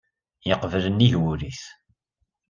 Yeqbel nnig wul-nnes.